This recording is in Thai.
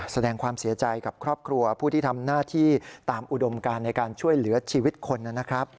แสดงความเสียใจกับครอบครัวผู้ที่ทำหน้าที่ตามอุดมการในการช่วยเหลือชีวิตคนนะครับ